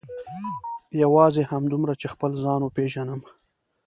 یوازې همدومره چې خپل ځان وپېژنم.